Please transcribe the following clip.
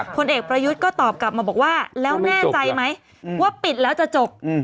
ผลเอกประยุทธ์ก็ตอบกลับมาบอกว่าแล้วแน่ใจไหมว่าปิดแล้วจะจบ